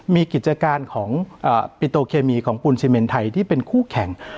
มีกิจการของปิโตเคมีของปูนซีเมนไทยที่เป็นคู่แข่ง